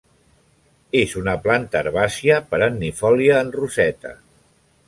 És una planta herbàcia perennifòlia en roseta.